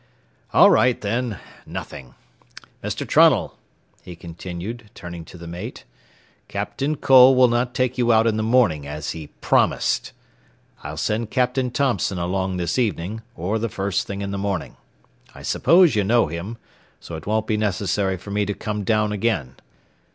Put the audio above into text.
"All right, then, nothing. Mr. Trunnell," he continued, turning to the mate, "Captain Cole will not take you out in the morning as he promised. I'll send Captain Thompson along this evening, or the first thing in the morning. I suppose you know him, so it won't be necessary for me to come down again.